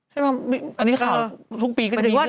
ใช่ป่ะอันนี้ข่าวทุกปีก็จะมีเรื่องนี้